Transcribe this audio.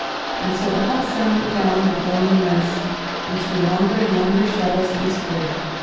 And so the hot sun went down the glowing west, and threw longer and longer shadows eastward.